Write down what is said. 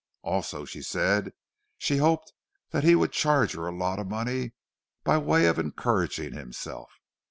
Also, she said, she hoped that he would charge her a lot of money by way of encouraging himself.